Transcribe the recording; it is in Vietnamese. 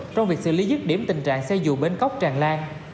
trong việc xử lý dứt điểm tình trạng xe dù bến cóc tràn lan